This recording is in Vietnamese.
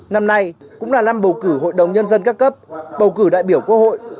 năm nay cũng là năm bầu cử hội đồng nhân dân các cấp bầu cử đại biểu quốc hội